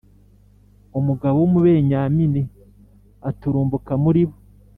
Umugabo w Umubenyamini aturumbuka muri bo